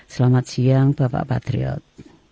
selamat siang bapak patriot